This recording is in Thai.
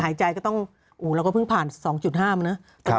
หายใจก็ต้องเราก็เพิ่งผ่าน๒๕มานะ